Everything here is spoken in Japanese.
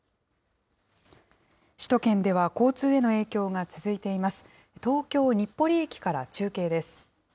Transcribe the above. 首都圏では交通への影響が続いています。